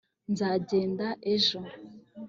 nzagenda ejo